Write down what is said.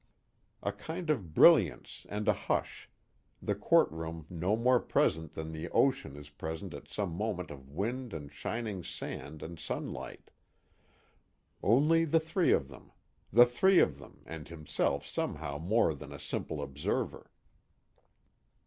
A kind of brilliance and a hush; the courtroom no more present than the ocean is present at some moment of wind and shining sand and sunlight: only the three of them; the three of them, and himself somehow more than a simple observer.